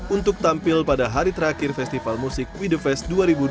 untuk tampil pada hari terakhir festival musik we the fest dua ribu dua puluh